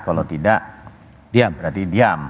kalau tidak dia berarti diam